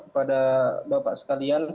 pada bapak sekalian